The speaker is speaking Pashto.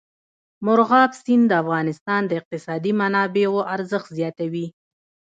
مورغاب سیند د افغانستان د اقتصادي منابعو ارزښت زیاتوي.